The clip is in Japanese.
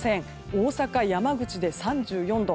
大阪、山口で３４度。